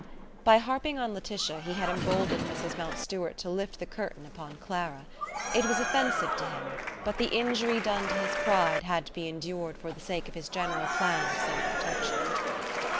By harping on Laetitia, he had emboldened Mrs. Mountstuart to lift the curtain upon Clara. It was offensive to him, but the injury done to his pride had to be endured for the sake of his general plan of self protection.